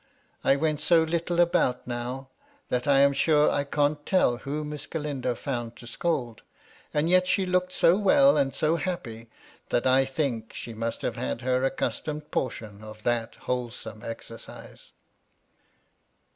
I went so little about now, that I am sure I can't tell who Miss Galindo found to scold ; and yet she looked so well and so happy that I think she must have had her accustomed portion of that wholesome exercise.